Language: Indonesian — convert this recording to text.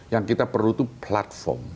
yang kita perlu itu platform